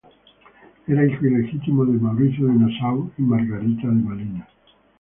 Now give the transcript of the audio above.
Era hijo ilegítimo de Mauricio de Nassau y Margaretha de Malinas.